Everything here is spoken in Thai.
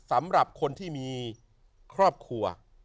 สำหรับคนที่มีครอบครัว